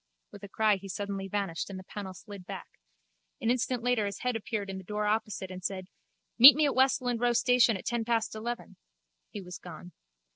With a cry he suddenly vanished and the panel slid back. An instant later his head appeared in the door opposite and said: Meet me at Westland Row station at ten past eleven. He was gone.